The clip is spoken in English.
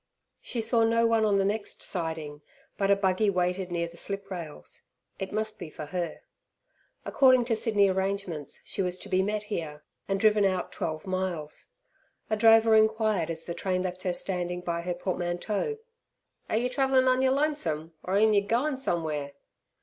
She saw no one on the next siding, but a buggy waited near the sliprails. It must be for her. According to Sydney arrangements she was to be met here, and driven out twelve miles. A drover inquired as the train left her standing by her portmanteau, "Are yer travellin' on yer lonesome, or on'y goin' somew'ere!"